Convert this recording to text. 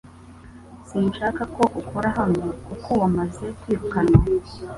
Sinshaka ko ukora hano kuko wamaze kwirukanwa .